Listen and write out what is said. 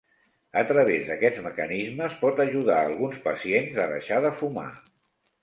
A través d'aquests mecanismes pot ajudar a alguns pacients a deixar de fumar.